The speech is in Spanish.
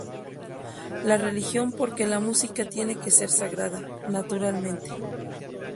La religión porque la música tiene que ser sagrada, naturalmente.